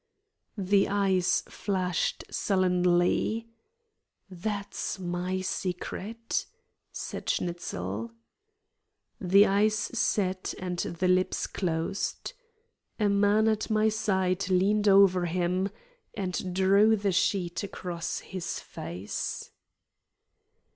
The eyes flashed sullenly. "That's my secret," said Schnitzel. The eyes set and the lips closed. A man at my side leaned over him, and drew the sheet across his face.